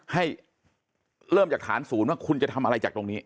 ให้เริ่มจากฐานศูนย์ว่าคุณจะทำอะไรจากตรงนี้